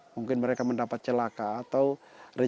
mungkin mereka mendapat celaka atau rezekinya kurang